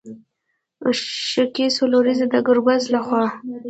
ښکې څلوريزه د ګربز له خوا